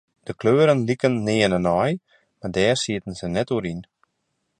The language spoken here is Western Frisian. De kleuren liken nearne nei, mar dêr sieten se net oer yn.